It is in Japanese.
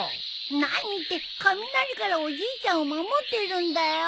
何って雷からおじいちゃんを守ってるんだよ。